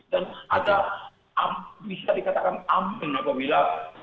dan ada bisa dikatakan amping apabila